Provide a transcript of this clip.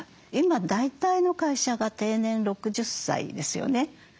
今大体の会社が定年６０歳ですよね。